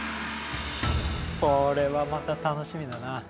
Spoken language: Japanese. これはまた楽しみだな。